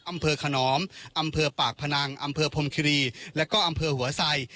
ขนอมอำเภอปากพนังอำเภอพรมคิรีและก็อำเภอหัวไซ